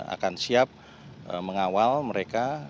akan siap mengawal mereka